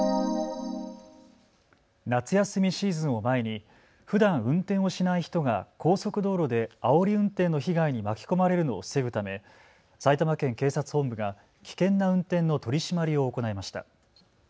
夏休みシーズンを前にふだん運転をしない人が高速道路であおり運転の被害に巻き込まれるのを防ぐため埼玉県警察本部が危険な運転の取締りを行いました。